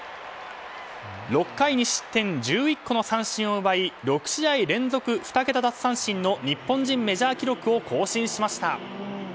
６回２失点１１個の三振を奪い６試合連続２桁奪三振の日本人メジャー記録を更新しました。